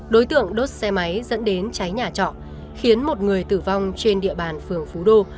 đối tượng đốt xe máy dẫn đến cháy nhà trọ khiến một người tử vong trên địa bàn phường phú đô